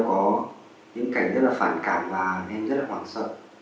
những cảnh rất là phản cảm và em rất là hoảng sợ